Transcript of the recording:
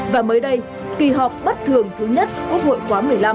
và mới đây kỳ họp bất thường thứ nhất quốc hội khóa một mươi năm